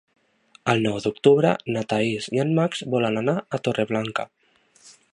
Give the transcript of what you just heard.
El nou d'octubre na Thaís i en Max volen anar a Torreblanca.